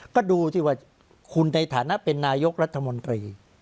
ก็ดูสิว่าคุณในฐานะเป็นนายกรัฐมนตรี